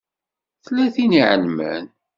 Tella tin i ɛelmen.